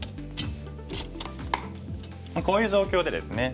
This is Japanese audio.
こういう状況でですね